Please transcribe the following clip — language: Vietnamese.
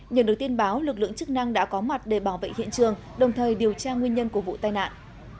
nhận được tin báo lực lượng chức năng đã có mặt để bảo vệ hiện trường đồng thời điều tra nguyên nhân của vụ tai nạn